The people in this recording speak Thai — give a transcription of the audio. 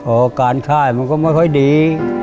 อาการค่ายมันก็ไม่ค่อยดี